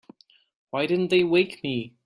Why didn't they wake me?